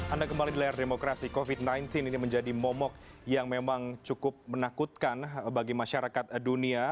anda kembali di layar demokrasi covid sembilan belas ini menjadi momok yang memang cukup menakutkan bagi masyarakat dunia